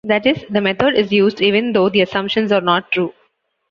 That is, the method is used even though the assumptions are not true.